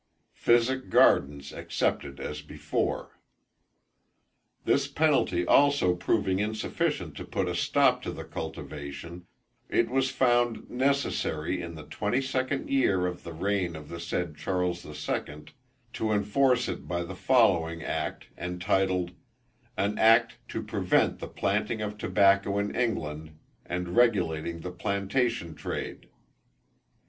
"Physic gardens excepted as before." This penalty also proving insufficient to put a stop to the cultivation, it was found necessary in the twenty second year of the reign of the said Charles the Second to enforce it by the following act, entitled, "An act to prevent the planting of tobacco in England, and regulating the plantation trade."